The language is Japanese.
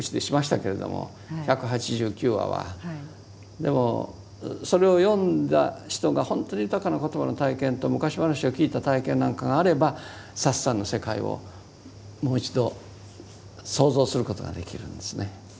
でもそれを読んだ人がほんとに豊かな言葉の体験と昔話を聞いた体験なんかがあればサツさんの世界をもう一度創造することができるんですね。